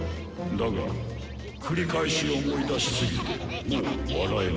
だが繰り返し思い出しすぎてもう笑えぬ。